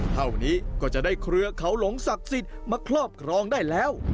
เท่านี้ก็จะได้เครือเขาหลงศักดิ์สิทธิ์มาครอบครองได้แล้ว